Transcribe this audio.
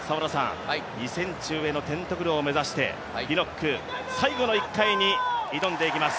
２ｃｍ上のテントグルを目指してピノック、最後の１回に挑んでいきます。